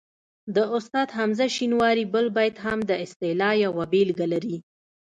د استاد حمزه شینواري بل بیت هم د اصطلاح یوه بېلګه لري